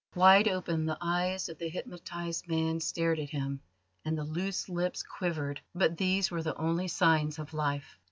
Wide open the eyes of the hypnotised man stared at him, and the loose lips quivered, but these were the only signs of life.